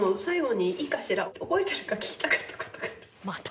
また？